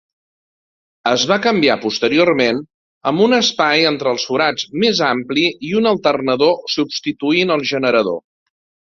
Es va canviar posteriorment, amb un espai entre els forats més ampli i un alternador substituint el generador.